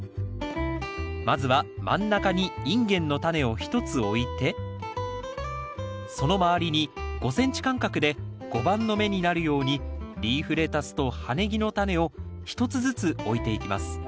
まずは真ん中にインゲンのタネを１つ置いてその周りに５ｃｍ間隔で碁盤の目になるようにリーフレタスと葉ネギのタネを１つずつ置いていきます